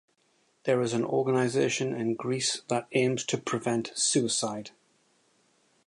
There is an organization in Greece that aims to prevent suicide.